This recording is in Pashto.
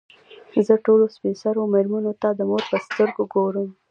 زه ټولو سپین سرو مېرمنو ته د مور په سترګو ګورم.